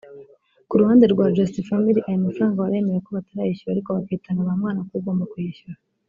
Ku ruhande rwa Just Family aya mafaranga barayemera ko batarayishyura ariko bakitana ba mwana k’ugomba kuyishyura